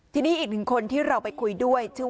ทีนี่อีกเป็นคนที่เราไปคุยด้วย